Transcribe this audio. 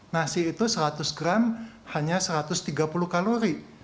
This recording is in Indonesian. nasi itu seratus gram hanya satu ratus tiga puluh kalori